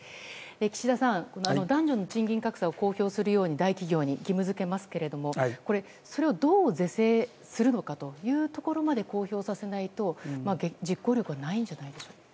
岸田さん、男女の賃金格差を公表するように大企業に義務付けますけどもそれをどう是正するのかまで公表させないと実行力はないんじゃないでしょうか。